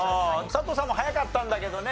佐藤さんも早かったんだけどね